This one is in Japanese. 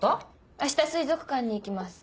明日水族館に行きます。